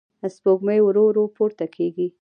سپوږمۍ ورو ورو پورته کېږي.